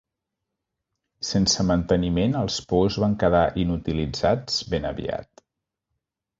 Sense manteniment els pous van quedar inutilitzats ben aviat.